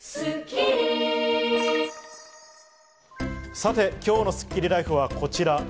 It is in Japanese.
さて今日のスッキリＬＩＦＥはこちら。